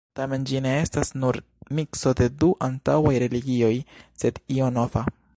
Tamen, ĝi ne estas nur mikso de du antaŭaj religioj, sed io nova.